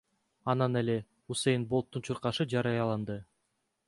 Анан эле Усэйн Болттун чуркашы жарыяланды.